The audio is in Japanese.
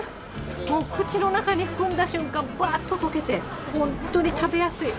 もう口の中に含んだ瞬間、ばーっと溶けて、本当に食べやすい。